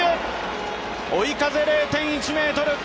追い風０．１ｍ。